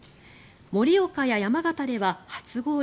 盛岡や山形では初氷